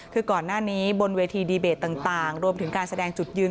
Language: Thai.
คือก่อนหน้านี้บนเวทีดีเบตต่างรวมถึงการแสดงจุดยืน